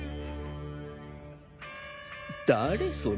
誰それ？